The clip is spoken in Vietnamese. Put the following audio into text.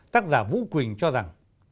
tác giả vũ quỳnh cho rằng